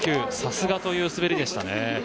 さすがという滑りでした。